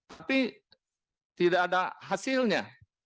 tapi tidak ada hasilnya